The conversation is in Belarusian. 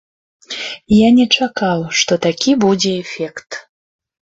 Я не чакаў, што такі будзе эфект.